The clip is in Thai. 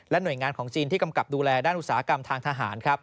หน่วยงานของจีนที่กำกับดูแลด้านอุตสาหกรรมทางทหารครับ